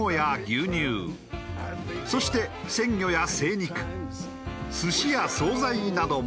そして鮮魚や精肉寿司や惣菜なども。